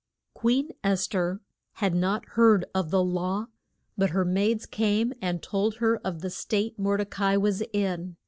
Queen Es ther had not heard of the law, but her maids came and told her of the state Mor de ca i was in.